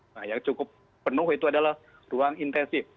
nah yang cukup penuh itu adalah ruang intensif